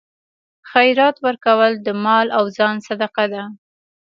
خیرات ورکول د مال او ځان صدقه ده.